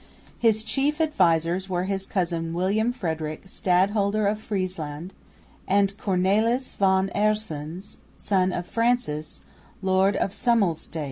His chief advisers were his cousin William Frederick, Stadholder of Friesland, and Cornelis van Aerssens (son of Francis) lord of Sommelsdijk.